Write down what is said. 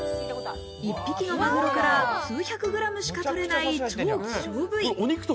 １匹のマグロから数百グラムしか取れない超希少部位。